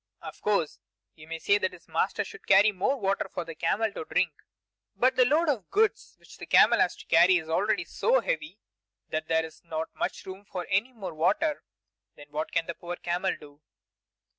Of course, you may say that his master should carry more water for the camel to drink. But the load of goods which the camel has to carry is already so heavy that there is not much room for any more water. Then what can the poor camel do?